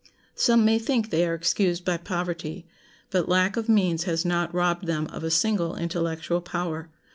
Some may think they are excused by poverty; but lack of means has not robbed them of a single intellectual power.